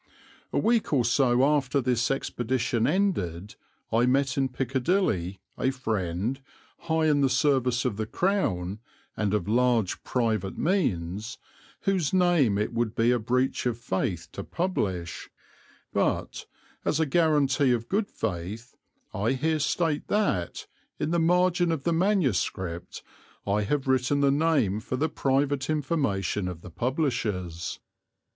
A week or so after this expedition ended I met in Piccadilly a friend, high in the service of the Crown and of large private means, whose name it would be a breach of faith to publish; but, as a guarantee of good faith, I here state that, in the margin of the manuscript, I have written the name for the private information of the publishers.